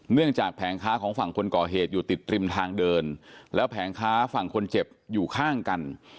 จากแผงค้าของฝั่งคนก่อเหตุอยู่ติดริมทางเดินแล้วแผงค้าฝั่งคนเจ็บอยู่ข้างกัน